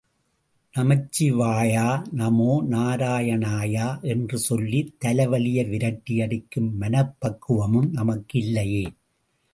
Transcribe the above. நமச்சிவாயா, நமோ நாராயணாய என்று சொல்லி தலைவலியை விரட்டி அடிக்கும் மனப்பக்குவம் நமக்கு இல்லையே.